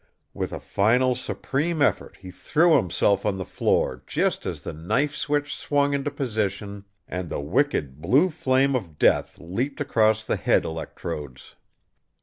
With a final supreme effort he threw himself on the floor just as the knife switch swung into position and the wicked blue flame of death leaped across the head electrodes.